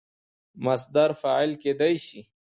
مصدر فاعل کېدای سي.